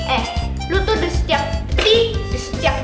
eh lu tuh di setiap detik